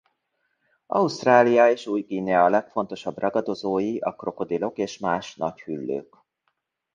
Ausztrália és Új-Guinea legfontosabb ragadozói a krokodilok és más nagy hüllők.